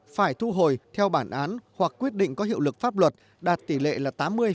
phải thu hồi theo bản án hoặc quyết định có hiệu lực pháp luật đạt tỷ lệ là tám mươi